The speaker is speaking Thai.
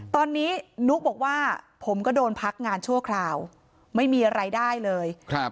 ตอนนี้นุ๊กบอกว่าผมก็โดนพักงานชั่วคราวไม่มีอะไรได้เลย